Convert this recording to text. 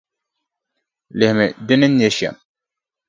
Lihimi di ni ne shɛm.